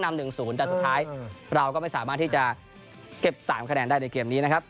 นำ๑๐แต่สุดท้ายเราก็ไม่สามารถที่จะเก็บ๓คะแนนได้ในเกมนี้นะครับ